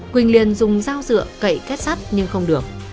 quỳnh liền dùng dao dựa cậy kết sắt nhưng không được